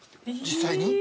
実際に？